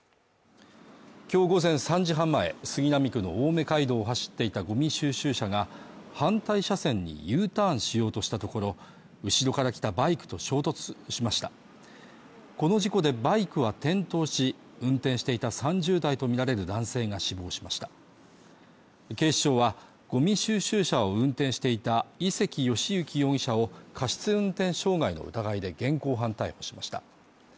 きょう午前３時半前杉並区の青梅街道を走っていたごみ収集車が反対車線にＵターンしようとしたところ後ろから来たバイクと衝突しましたこの事故でバイクは転倒し運転していた３０代とみられる男性が死亡しました警視庁はゴミ収集車を運転していた井関佳之容疑者を過失運転傷害の疑いで現行犯逮捕しました